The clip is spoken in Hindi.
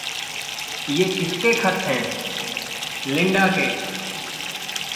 "ये किसके खत हैं?" "लिंडा के।"